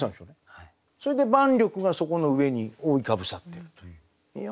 それで万緑がそこの上に覆いかぶさってるという。